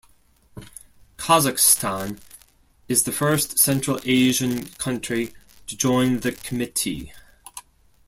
Kazakhstan is the first Central Asian country to join the Committee.